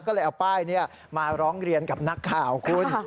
ก็เลยเอาป้ายนี้มาร้องเรียนกับนักข่าวคุณ